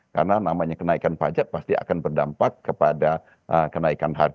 karena namanya kenaikan pajak pasti akan berdampak kepada kenaikan pajak